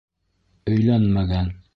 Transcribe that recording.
Өйләнмәгән.